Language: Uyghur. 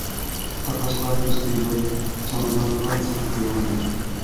تاقاشقا كۆزى قىيماي چامادانىغا سېلىپ قويغانىدى.